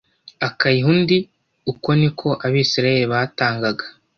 akayiha undi uko ni ko abisirayeli batangaga